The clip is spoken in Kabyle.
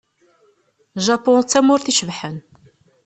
Japun d tamurt icebḥen.